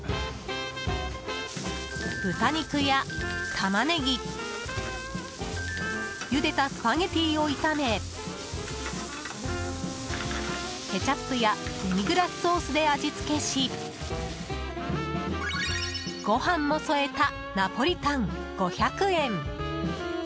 豚肉やタマネギゆでたスパゲティを炒めケチャップやデミグラスソースで味付けし、ご飯も添えたナポリタン、５００円。